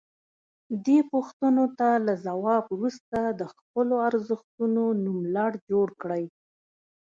دې پوښتنو ته له ځواب وروسته د خپلو ارزښتونو نوملړ جوړ کړئ.